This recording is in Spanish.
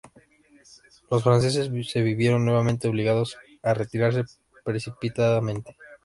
Los franceses se vieron nuevamente obligados a retirarse precipitadamente.